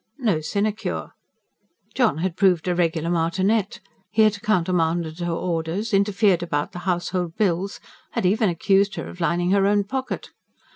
no sinecure. John had proved a regular martinet; he had countermanded her orders, interfered about the household bills had even accused her of lining her own pocket.